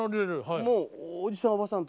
もうおじさん